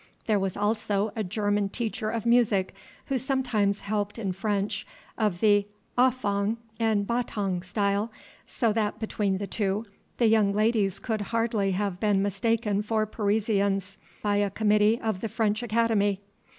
There was also a German teacher of music, who sometimes helped in French of the ahfaung and bauntaung style, so that, between the two, the young ladies could hardly have been mistaken for Parisians, by a Committee of the French Academy.